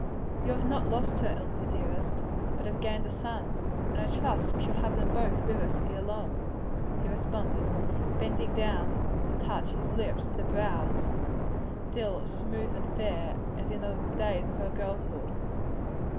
"You have not lost her, Elsie dearest, but have gained a son; and I trust we shall have them both with us ere long," he responded, bending down to touch his lips to the brow still as smooth and fair as in the days of her girlhood.